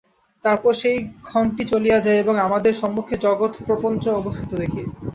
তারপর সেই ক্ষণটি চলিয়া যায় এবং আমাদের সম্মুখে জগৎপ্রপঞ্চ অবস্থিত দেখি।